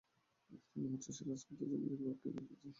তুমি হচ্ছ সেই রাজপুত্র যে নিজের ভাগ্যকে এড়িয়ে গেছে।